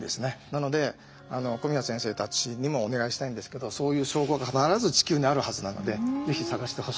なので小宮先生たちにもお願いしたいんですけどそういう証拠が必ず地球にあるはずなので是非探してほしいと思います。